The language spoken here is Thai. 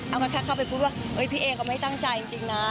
เอางั้นแค่เข้าไปพูดว่าพี่เอก็ไม่ตั้งใจจริงนะ